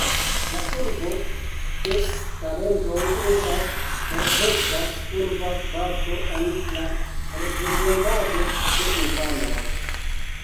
La urbo de talentoj estas perfekta urba spaco en la reprezentado de infanoj.